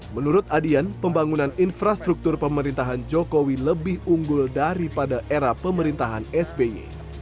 menurut adian pembangunan infrastruktur pemerintahan jokowi lebih unggul daripada era pemerintahan sby